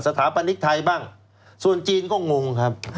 ถาปนิกไทยบ้างส่วนจีนก็งงครับ